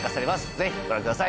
ぜひご覧ください。